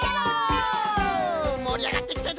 もりあがってきたぞ！